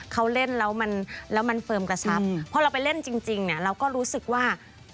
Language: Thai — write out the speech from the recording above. เขาเล่นแล้วมันเฟิร์มกระชับพอเราไปเล่นจริงเราก็รู้สึกว่า